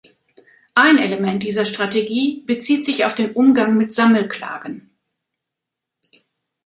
Ein Element dieser Strategie bezieht sich auf den Umgang mit Sammelklagen.